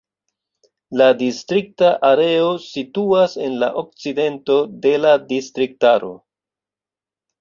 La distrikta areo situas en la okcidento de la distriktaro.